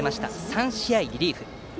３試合リリーフ。